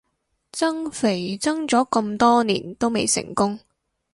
增肥增咗咁多年都未成功